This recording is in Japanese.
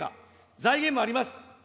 財源もあります。